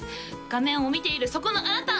画面を見ているそこのあなた！